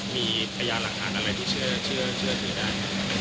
มีพยานหลักฐานอะไรที่เชื่อถือได้